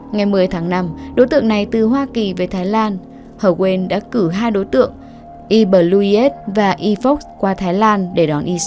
ngày một mươi tháng năm đối tượng này từ hoa kỳ về thái lan hờ quên đã cử hai đối tượng i bluiet và i vox qua thái lan để đón i một